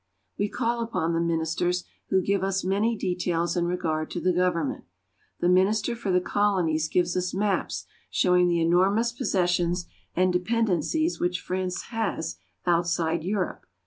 We call upon the Ministers, who give us many details in regard to the government. The Minister for the Colonies gives us maps showing the enormous possessions and de pendencies which France has outside Europe.